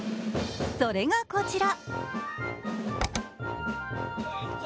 それがこちら。